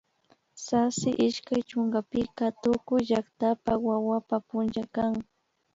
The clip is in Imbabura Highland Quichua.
Sasi ishkay chunkapika tukuy llaktapak wawapa punlla kan